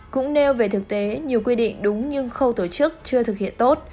cũng nêu về thực tế nhiều quy định đúng nhưng khâu tổ chức chưa thực hiện tốt